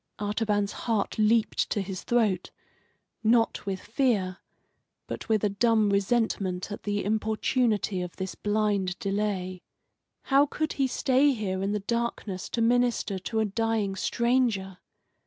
Artaban's heart leaped to his throat, not with fear, but with a dumb resentment at the importunity of this blind delay. How could he stay here in the darkness to minister to a dying stranger?